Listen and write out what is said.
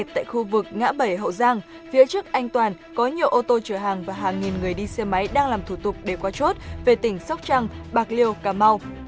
tại khu vực ngã bảy hậu giang phía trước anh toàn có nhiều ô tô chở hàng và hàng nghìn người đi xe máy đang làm thủ tục để qua chốt về tỉnh sóc trăng bạc liêu cà mau